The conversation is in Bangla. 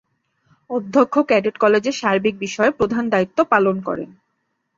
অধ্যক্ষ ক্যাডেট কলেজের সার্বিক বিষয়ে প্রধান দায়িত্ব পালন করেন।